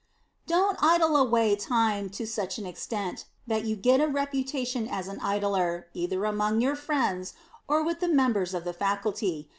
[Sidenote: IDLING] Don't idle away time to such an extent that you get a reputation as an idler, either among your friends, or with the members of the Faculty.